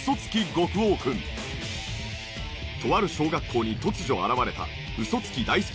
とある小学校に突如現れたウソツキ大好き